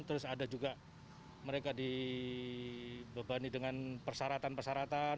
terus ada juga mereka dibebani dengan persyaratan persyaratan